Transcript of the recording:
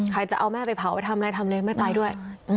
จะเอาแม่ไปเผาไปทำอะไรทำเลยไม่ไปด้วย